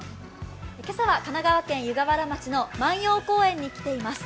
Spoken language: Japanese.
今朝は神奈川県湯河原町の万葉公園に来ています。